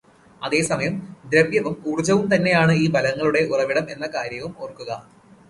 അതേസമയം ദ്രവ്യവും ഊർജവും തന്നെയാണ് ഈ ബലങ്ങളുടെ ഉറവിടം എന്ന കാര്യവും ഓർകുക.